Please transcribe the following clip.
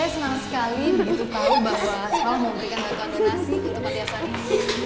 saya senang sekali begitu tau bahwa asmal mau berikan kontenasi untuk matias anies